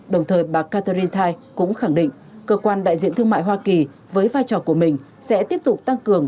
đồng thời bà catherinti cũng khẳng định cơ quan đại diện thương mại hoa kỳ với vai trò của mình sẽ tiếp tục tăng cường